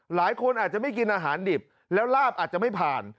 หลายคนอาจจะไม่กินอาหารดิบแล้วลาบอาจจะไม่ผ่าน